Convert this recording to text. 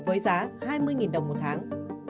với giá hai mươi đồng một tháng